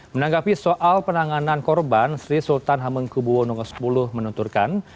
menanggapi soal penanganan korban sri sultan hamengkubuwono x menunturkan